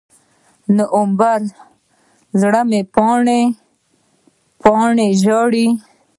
نومبره، زړه مې پاڼې، پاڼې ژاړي